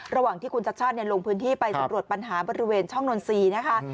ระหว่างที่คุณชัดชาติลงพื้นที่ไปสำรวจปัญหาบริเวณช่องนนทรีย์นะคะ